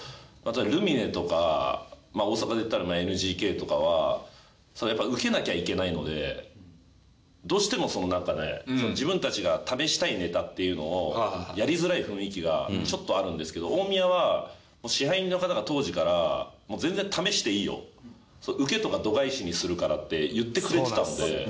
ルミネとか大阪でいったらＮＧＫとかはやっぱりウケなきゃいけないのでどうしてもそのなんかね自分たちが試したいネタっていうのをやりづらい雰囲気がちょっとあるんですけど大宮は支配人の方が当時から「全然試していいよ」「ウケとか度外視にするから」って言ってくれてたんで。